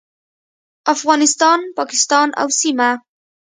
افغانستان، پاکستان او سیمه